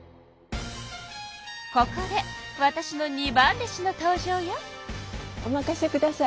ここでわたしの二番弟子の登場よ。